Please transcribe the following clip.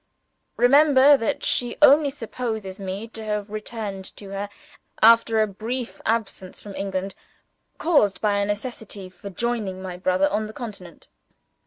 Remember that she only supposes me to have returned to her after a brief absence from England, caused by a necessity for joining my brother on the Continent.